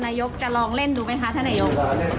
นายกจะลองเล่นดูไหมคะท่านนายก